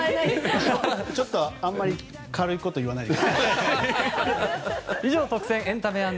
ちょっとあんまり軽いこと言わないで。